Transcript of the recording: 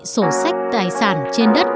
sổ sách tài sản trên đất